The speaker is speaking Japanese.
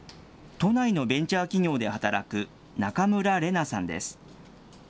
都内のベンチャー企業で働く中村麗奈さんです。